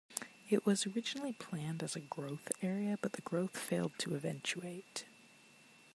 It was originally planned as a growth area, but the growth failed to eventuate.